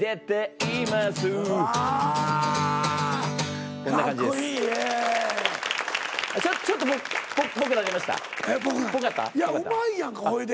いやうまいやんかほいで。